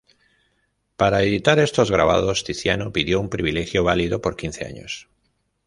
Para editar estos grabados Tiziano pidió un privilegio válido por quince años.